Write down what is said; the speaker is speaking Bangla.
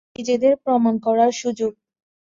নিজেদের প্রমাণ করার সুযোগ।